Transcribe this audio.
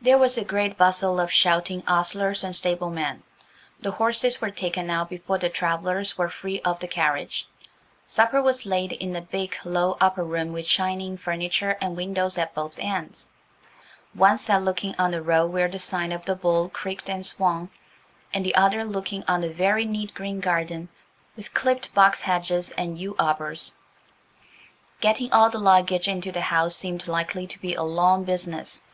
There was a great bustle of shouting ostlers and stablemen; the horses were taken out before the travellers were free of the carriage. Supper was laid in a big, low, upper room, with shining furniture and windows at both ends, one set looking on the road where the sign of the "Bull" creaked and swung, and the other looking on a very neat green garden, with clipped box hedges and yew arbours. Getting all the luggage into the house seemed likely to be a long business.